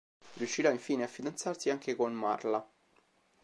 Riuscirà infine a fidanzarsi anche con Marla.